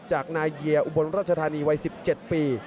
จากนายเยียอุบลราชธานีวัย๑๗ปี